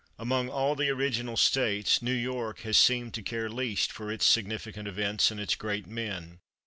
Among all the original States New York has seemed to care least for its significant events and its great men.